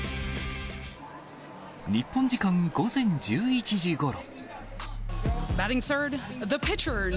日本時間午前１１時ごろ。